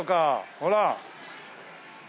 ほら。